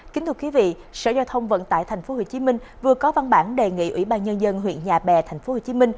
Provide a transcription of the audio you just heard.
kính thưa quý vị sở giao thông vận tải tp hcm vừa có văn bản đề nghị ủy ban nhân dân huyện nhà bè tp hcm